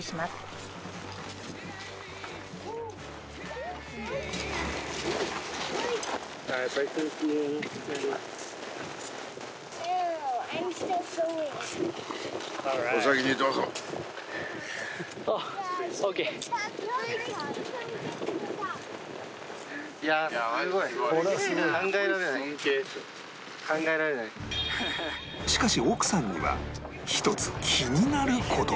しかし奥さんには１つ気になる事が